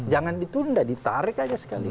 jangan ditunda ditarik aja sekali